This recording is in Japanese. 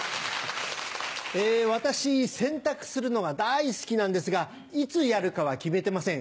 私洗濯するのが大好きなんですがいつやるかは決めてません